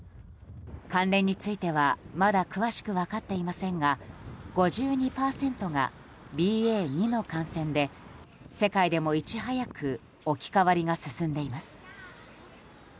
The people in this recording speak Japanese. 関連についてはまだ詳しく分かっていませんが５２％がＢＡ．２の感染で世界でもいち早く置き換わりが進んでいます。